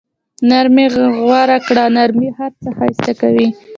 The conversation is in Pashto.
نرمي غوره کړه، نرمي هر څه ښایسته کوي.